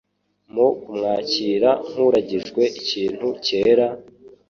Mu kumwakira nk'uragijwe ikintu cyera,